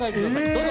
どうぞ。